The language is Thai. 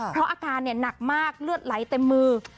เพราะอาการหนักมากเลือดไหลเต็มมือ